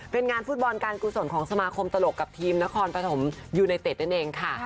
เป็นงานฟุตบอลการกุศลของสมาคมตลกกับทีมนครปฐมยูไนเต็ดนั่นเองค่ะ